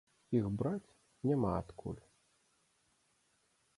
Іх браць няма адкуль.